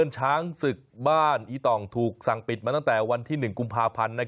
ช้างศึกบ้านอีตองถูกสั่งปิดมาตั้งแต่วันที่๑กุมภาพันธ์